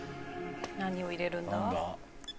何を入れるんだ？